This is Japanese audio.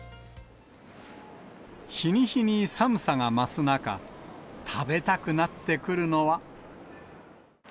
日に日に寒さが増す中、食べたくなってくるのは。